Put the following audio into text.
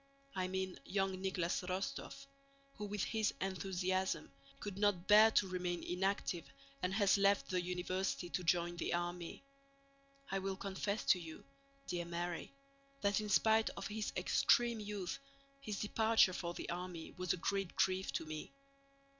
I mean young Nicholas Rostóv, who with his enthusiasm could not bear to remain inactive and has left the university to join the army. I will confess to you, dear Mary, that in spite of his extreme youth his departure for the army was a great grief to me.